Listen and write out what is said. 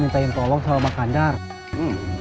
mereka retirnya kayak gendut